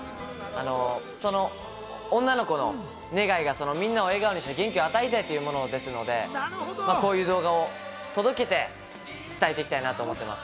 その女の子の願いがみんなを笑顔にして元気を与えたいということなので、こういう動画を届けて伝えていきたいなと思ってます。